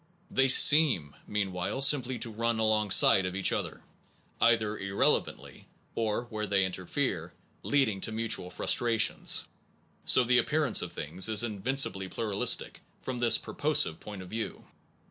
They seem, meanwhile, simply to run alongside of each other either irrelevantly, or, where they interfere, leading to mutual frustrations, so the appearance of things is invincibly pluralistic from this purposive point of view.